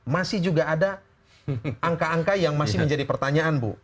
masih juga ada angka angka yang masih menjadi pertanyaan bu